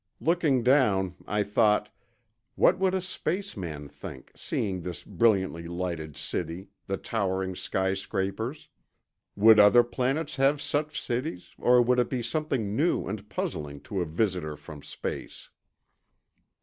Looking down, I thought: What would a spaceman think, seeing this brilliantly lighted city, the towering skyscrapers? Would other planets have such cities, or would it be something new and puzzling to a visitor from space?